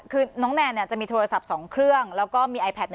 คือน้องแนนจะมีโทรศัพท์๒เครื่องแล้วก็มีไอแพท